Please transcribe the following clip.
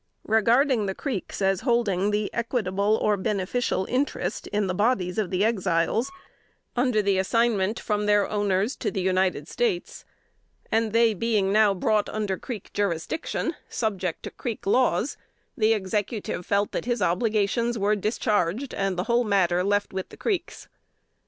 Regarding the Creeks as holding the equitable or beneficial interest in the bodies of the Exiles, under the assignment from their owners to the United States, and they being now brought under Creek jurisdiction, subject to Creek laws, the Executive felt that his obligations were discharged, and the whole matter left with the Creeks.